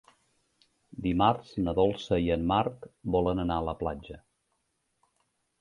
Dimarts na Dolça i en Marc volen anar a la platja.